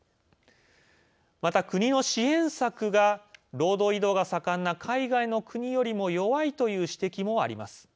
また、国の支援策が労働移動が盛んな海外の国よりも弱いという指摘があります。